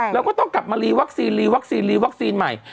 แล้วก็ต้องกลับมารีวัคซีนรีวัคซีนรีวัคซีนใหม่